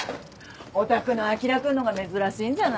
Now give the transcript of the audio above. お宅のあきら君のが珍しいんじゃない？